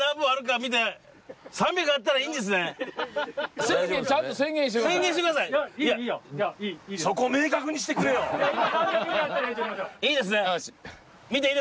見ていいですね？